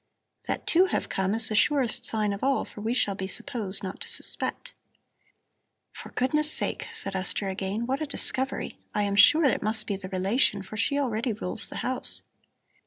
That two have come, is the surest sign of all, for we shall be supposed not to suspect." "For goodness sake," said Esther again, "what a discovery! I am sure it must be the relation, for she already rules the house.